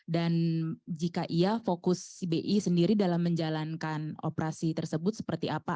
dan jika iya fokus bi sendiri dalam menjalankan operasi tersebut seperti apa